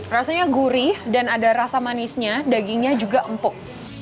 rasanya gurih dan ada rasa manisnya dagingnya juga empuk